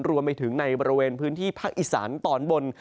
รวมไปถึงในบริเวณพื้นที่ภาคอีสานตอนบน